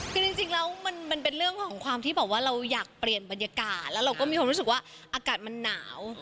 คือจริงแล้วมันเป็นเรื่องของความที่บอกว่าเราอยากเปลี่ยนบรรยากาศแล้วเราก็มีความรู้สึกว่าอากาศมันหนาว